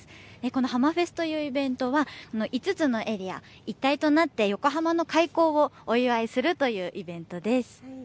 このハマフェスといわれるイベントは５つのエリア一帯となって横浜の開港をお祝いするイベントです。